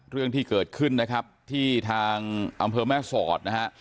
เรื่องที่เกิดขึ้นนะครับที่ทางอำเภอแม่สอดนะฮะ